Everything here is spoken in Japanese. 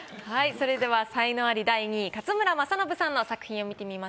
それでは才能アリ第２位勝村政信さんの作品を見てみましょう。